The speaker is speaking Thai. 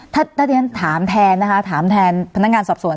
ถ้าเดี๋ยวถามแทนถามแทนพนักงานสอบส่วน